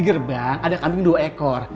karena ada kambing dua ekor